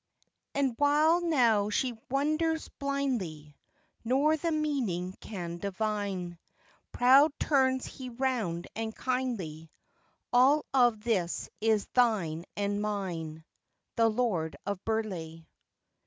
"And, while now she wonders blindly, Nor the meaning can divine, Proudly turns he round and kindly: 'All of this is thine and mine.'" _The Lord of Burleigh.